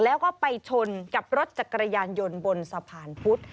แล้วก็ไปชนกับรถจักรยานยนต์บนสะพานพุธ